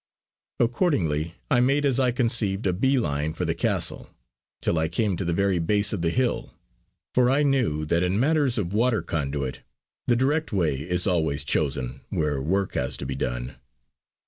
Accordingly I made as I conceived a bee line for the castle, till I came to the very base of the hill, for I knew that in matters of water conduit the direct way is always chosen where work has to be done.